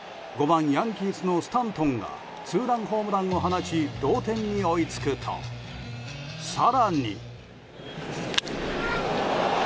５番、ヤンキースのスタントンがツーランホームランを放ち同点に追いつくと更に。